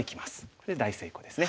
これ大成功ですね。